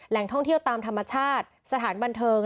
ท่องเที่ยวตามธรรมชาติสถานบันเทิง